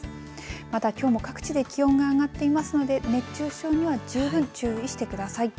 またきょうも各地で気温が上がっていますので熱中症には十分注意してください。